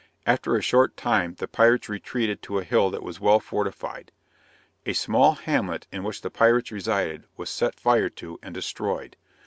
After a short time the pirates retreated to a hill that was well fortified. A small hamlet, in which the pirates resided, was set fire to and destroyed.